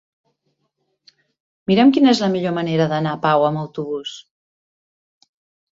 Mira'm quina és la millor manera d'anar a Pau amb autobús.